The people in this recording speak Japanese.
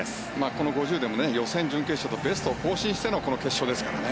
この５０ｍでも予選、準決勝とベストを更新してのこの決勝ですからね。